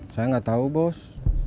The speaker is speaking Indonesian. saya enggak tahu bos